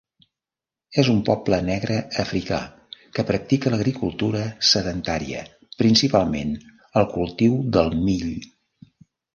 És un poble negre africà que practica l'agricultura sedentària, principalment el cultiu del mill.